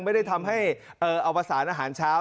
ไม่ได้ทำให้อวสารอาหารเช้า